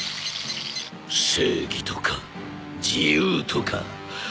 正義とか自由とか。